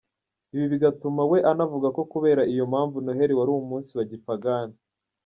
Ibi bigatuma we anavuga ko kubera iyo mpamvu Noheli wari umunsi wa gipagani.